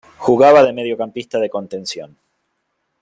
Jugaba de mediocampista de contención.